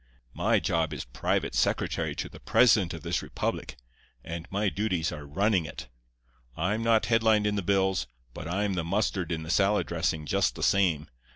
"'My job is private secretary to the president of this republic; and my duties are running it. I'm not headlined in the bills, but I'm the mustard in the salad dressing just the same.